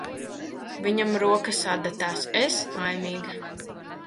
Viņam rokas adatās, es – laimīga.